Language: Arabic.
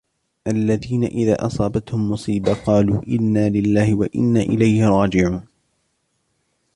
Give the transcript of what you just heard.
الذين إذا أصابتهم مصيبة قالوا إنا لله وإنا إليه راجعون